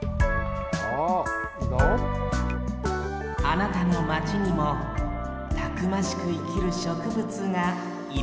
あなたのマチにもたくましくいきるしょくぶつがいるかもしれませんよ